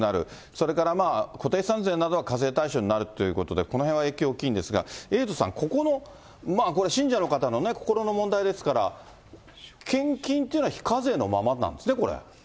それから固定資産税などは課税対象になるということで、このへんは影響大きいんですが、エイトさん、ここのこれ、信者の方のね、心の問題ですから、献金というのは非課税のままなんですね、これ。